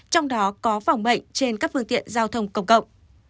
trong đó có phòng bệnh trên các phương tiện giao thông công cộng